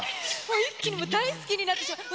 一気に大好きになってしまいました。